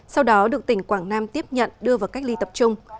sau đó được tỉnh quảng nam tiếp nhận đưa vào cách ly tập trung